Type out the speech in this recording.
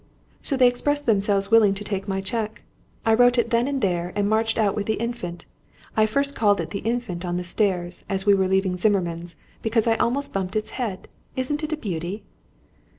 So they expressed themselves willing to take my cheque. I wrote it then and there, and marched out with the Infant. I first called it the Infant on the stairs, as we were leaving Zimmermann's, because I almost bumped its head! Isn't it a beauty?"